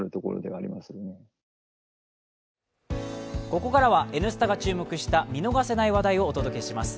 ここからは「Ｎスタ」が注目した見逃せない話題をお届けします。